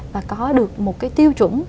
và có được một cái tiêu chuẩn